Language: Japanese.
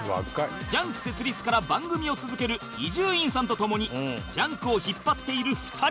『ＪＵＮＫ』設立から番組を続ける伊集院さんとともに『ＪＵＮＫ』を引っ張っている２人